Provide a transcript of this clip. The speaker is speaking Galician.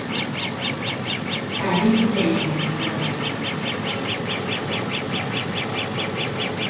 Para iso teñen o mandato do pobo.